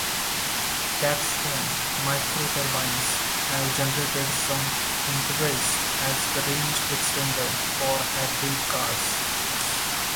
Capstone microturbines have generated some interest as the range extender for hybrid cars.